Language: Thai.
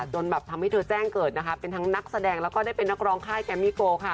จนแบบทำให้เธอแจ้งเกิดนะคะเป็นทั้งนักแสดงแล้วก็ได้เป็นนักร้องค่ายแกมมี่โกค่ะ